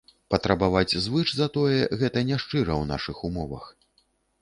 Патрабаваць звыш за тое, гэта няшчыра ў нашых умовах.